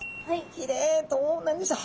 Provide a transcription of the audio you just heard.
ひれどうなんでしょう？